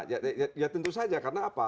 ya tentu saja karena apa